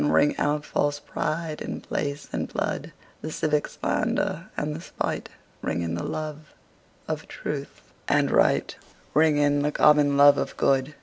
Ring out false pride in place and blood, The civic slander and the spite; Ring in the love of truth and right, Ring in the common love of good.